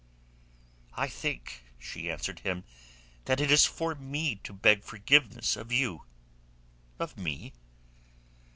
"I think," she answered him, "that it is for me to beg forgiveness of you." "Of me?"